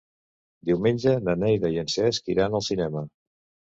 Diumenge na Neida i en Cesc iran al cinema.